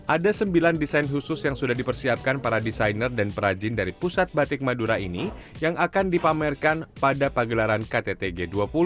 ada sembilan desain khusus yang sudah dipersiapkan para desainer dan perajin dari pusat batik madura ini yang akan dipamerkan pada pagelaran ktt g dua puluh